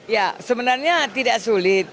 ya sebenarnya tidak sulit